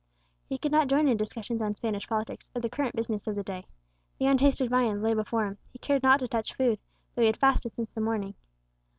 He could not join in discussions on Spanish politics, or the current business of the day. The untasted viands lay before him; he cared not to touch food, though he had fasted since the morning.